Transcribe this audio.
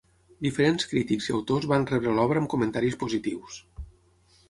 Diferents crítics i autors van rebre l'obra amb comentaris positius.